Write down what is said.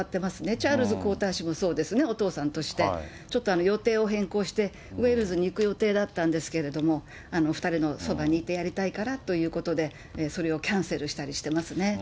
チャールズ皇太子もそうですね、お父さんとして。ちょっと予定を変更して、ウェールズに行く予定だったんですけれども、２人のそばにいてやりたいからということで、それをキャンセルしたりしてますね。